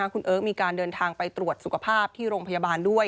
คุณเอิร์กมีการเดินทางไปตรวจสุขภาพที่โรงพยาบาลด้วย